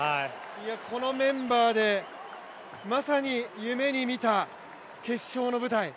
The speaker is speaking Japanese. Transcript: このメンバーで、まさに夢に見た決勝の舞台。